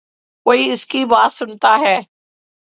کوئی اس کی بات سنتا ہے۔